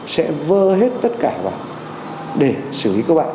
sẽ vơ hết tất cả vào để xử lý các bạn